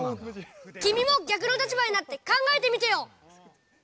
きみも逆の立場になってかんがえてみてよ！